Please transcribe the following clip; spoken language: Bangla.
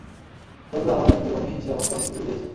তোমরা আমার জীবনে এসে আমাকে অনেককিছু বুঝিয়েছ।